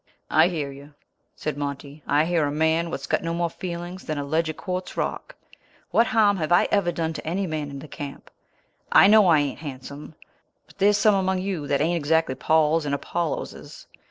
"I hear you," said Monty. "I hear a man what's got no more feelings than a ledge of quartz rock. What harm have I ever done to any man in the camp? I know I ain't handsome, but there's some among you that ain't exactly Pauls and Apolloses.